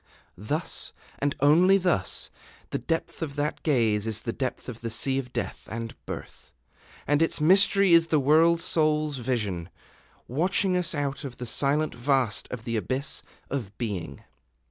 Thus, and only thus, the depth of that gaze is the depth of the Sea of Death and Birth, and its mystery is the World Soul's vision, watching us out of the silent vast of the Abyss of Being.